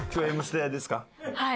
はい。